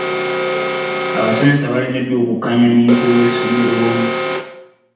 Abasomesa balemeddwa okukkaanya n'omukulu w'essomero.